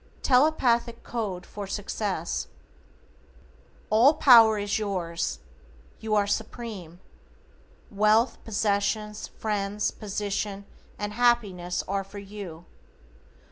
=TELEPATHIC CODE FOR SUCCESS:= All power is yours. You are supreme. Wealth, possessions, friends, position and happiness are for you.